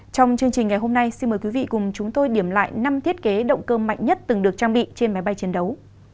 trong chương trình ngày hôm nay xin mời quý vị cùng chúng tôi điểm lại năm thiết kế động cơ mạnh nhất từng được trang bị trên máy bay chiến đấu